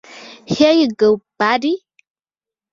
Here you go, buddy!